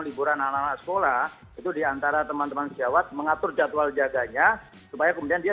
liburan anak anak sekolah itu diantara teman teman sejawat mengatur jadwal jaganya supaya kemudian dia